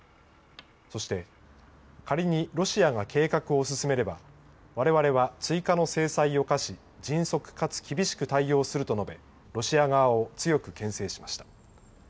そして、仮にロシアが計画を進めればわれわれは追加の制裁を科し迅速かつ厳しく対応すると述べロシア側を強くけん制しました。